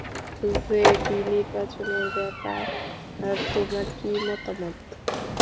JD, নির্বাচনের ব্যাপার তোমার কী মতামত?